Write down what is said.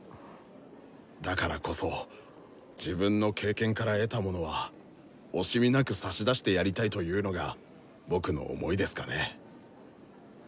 だからこそ自分の経験から得たものは惜しみなく差し出してやりたいというのが僕の思いですかね。